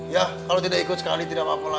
ya kalau tidak ikut sekali tidak apa apa